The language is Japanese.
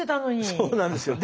そうなんですよ。